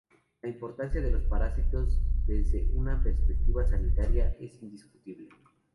La importancia de los parásitos desde una perspectiva sanitaria es indiscutible.